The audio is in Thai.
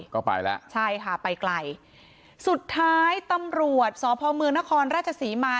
ก็ไปแล้วใช่ค่ะไปไกลสุดท้ายตำรวจสพเมืองนครราชศรีมา